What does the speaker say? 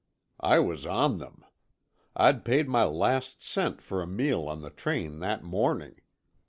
I was on them. I'd paid my last cent for a meal on the train that morning.